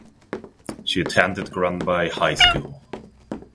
She attended Granby High School.